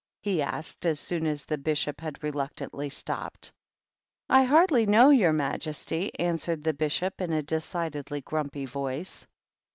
he asked, as soon as the Bishop had reluctantly stopped. "I hardly know, your majesty," answered the Bishop, in a decidedly grumpy voice.